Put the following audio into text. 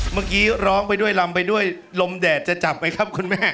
เมื่อกี้ร้องไปด้วยลำไปด้วยลมแดดจะจับไหมครับคุณแม่